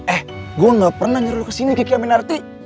eh gue gak pernah nyuruh lo kesini kiki aminarti